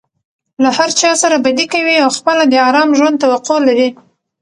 له هرچا سره بدي کوى او خپله د آرام ژوند توقع لري.